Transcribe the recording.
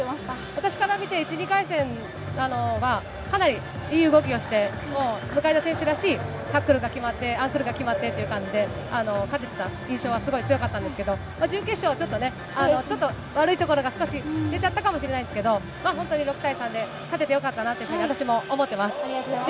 私から見て、１、２回戦はかなりいい動きをして、もう、向田選手らしいタックルが決まって、アンクルが決まってという感じで勝ててた印象があったんですけど、準決勝はちょっとね、ちょっと悪いところが少し出ちゃったかもしれないんですけど、本当に６対３で勝ててよかったなというふうに私も思っています。